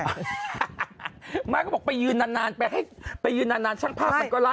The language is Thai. ไม่เขาบอกไปยืนนานไปให้ไปยืนนานช่างภาพมันก็ไล่